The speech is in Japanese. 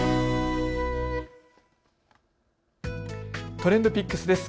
ＴｒｅｎｄＰｉｃｋｓです。